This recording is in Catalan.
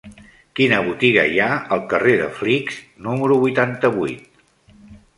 Quina botiga hi ha al carrer de Flix número vuitanta-vuit?